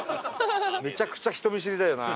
めちゃくちゃ人見知りだよな。